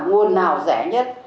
nguồn nào rẻ nhất